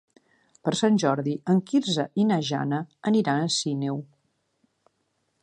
Per Sant Jordi en Quirze i na Jana aniran a Sineu.